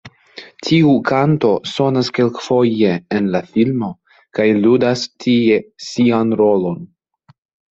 Tiu kanto sonas kelkfoje en la filmo kaj ludas tie sian rolon.